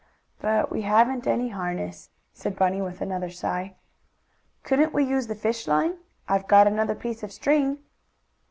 "But we haven't any harness," said Bunny with another sigh. "Couldn't we use the fish line? I've got another piece of string."